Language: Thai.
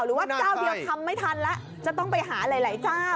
หรือว่าเจ้าเดียวทำไม่ทันแล้วจะต้องไปหาหลายเจ้า